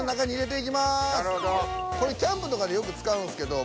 これキャンプとかでよく使うんですけど。